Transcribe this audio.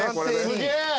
すげえ。